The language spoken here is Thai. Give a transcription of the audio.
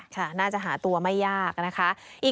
น่าจะหาตัวไม่ยากนะคะ